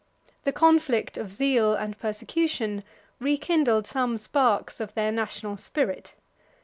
The conflict of zeal and persecution rekindled some sparks of their national spirit.